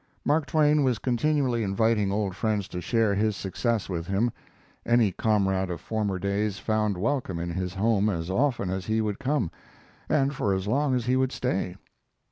Mark Twain was continually inviting old friends to share his success with him. Any comrade of former days found welcome in his home as often as he would come, and for as long as he would stay.